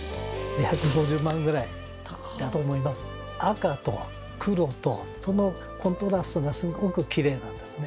赤と黒とそのコントラストがすごくキレイなんですね。